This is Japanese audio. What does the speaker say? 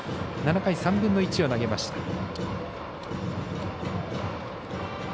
７回３分の１を投げました。